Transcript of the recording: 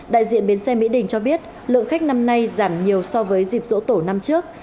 đại diện bến xe mỹ đình cho biết lượng khách năm nay giảm nhiều so với dịp dỗ tổ năm trước